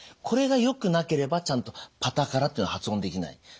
これがよくなければちゃんと「パタカラ」っていうの発音できない。